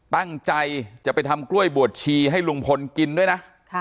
ตั้งใจจะไปทำกล้วยบวชชีให้ลุงพลกินด้วยนะ